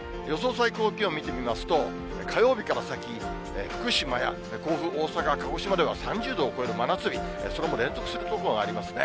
最高気温見てみますと、火曜日から先、福島や甲府、大阪、鹿児島では３０度を超える真夏日、それも連続する所がありますね。